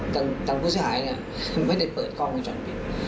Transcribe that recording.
ตังค์พฤษภายเนี่ยไม่ได้เปิดกล้องวงจรปิด